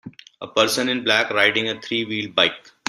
A person in black riding a three wheeled bike.